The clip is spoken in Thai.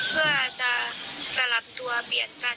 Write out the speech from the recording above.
เพื่อจะสลับตัวเปลี่ยนกัน